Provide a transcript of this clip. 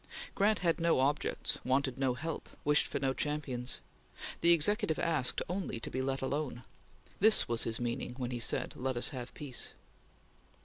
Grant had no objects, wanted no help, wished for no champions. The Executive asked only to be let alone. This was his meaning when he said: "Let us have peace!"